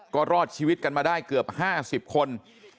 ก็รอดชีวิตกันมาได้เกือบ๕๐คน